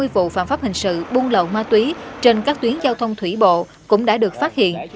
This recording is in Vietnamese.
sáu trăm ba mươi vụ phạm pháp hình sự bung lậu ma túy trên các tuyến giao thông thủy bộ cũng đã được phát hiện